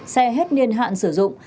xe hết niên hạn sử dụng